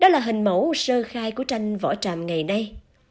đó là hình mẫu sơ khai của tranh vỏ tràm ngày nay